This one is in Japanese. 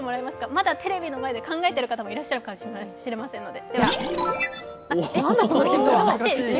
まだテレビの前で考えてる方いらっしゃるかもしれないので。